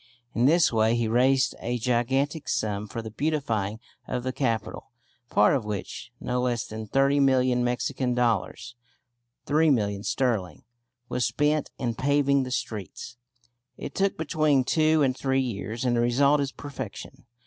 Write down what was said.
In this way he raised a gigantic sum for the beautifying of the capital, part of which, no less than thirty million Mexican dollars (£3,000,000 sterling), was spent in paving the streets. It took between two and three years, and the result is perfection.